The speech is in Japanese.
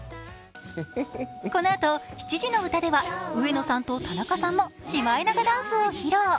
このあと、７時の歌では上野さんと田中さんもシマエナガダンスを披露。